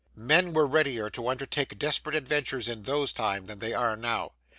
Men were readier to undertake desperate adventures in those times than they are now.